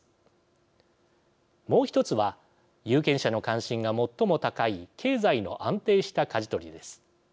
もう一つは有権者の関心が最も高い経済の安定したかじ取りです。